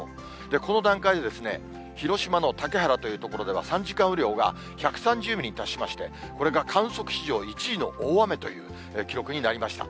この段階で、広島の竹原という所では、３時間雨量が１３０ミリに達しまして、これが観測史上１位の大雨という記録になりました。